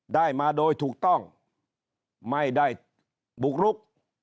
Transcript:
ได้มาโดยถูกต้องไม่ได้บุกรุก